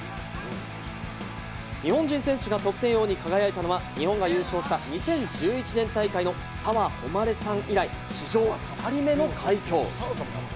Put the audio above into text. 日本人選手が得点王に輝いたのは、日本が優勝した２０１１年大会の澤穂希さん以来、史上２人目の快挙。